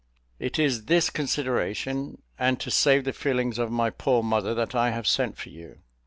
It is this consideration, and to save the feelings of my poor mother, that I have sent for you.